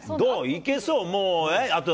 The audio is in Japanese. いけそう？